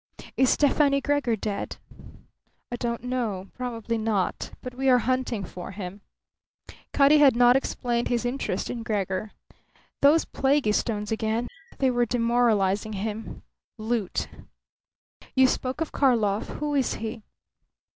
"Is Stefani Gregor dead?" "Don't know; probably not. But we are hunting for him." Cutty had not explained his interest in Gregor. Those plaguey stones again. They were demoralizing him. Loot. "You spoke of Karlov. Who is he?"